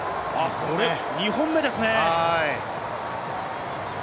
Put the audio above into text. ２本目ですね。